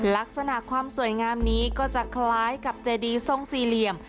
ลักษณะความสวยงามนี้ก็จะคล้ายกับเจดีทรงสี่เหลี่ยม